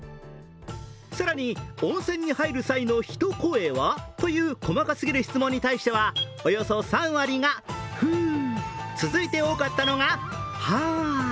更に、温泉に入る際の一声はという細かすぎる質問に対しては、およそ３割が「ふぅ」。続いて多かったのは「はぁ」。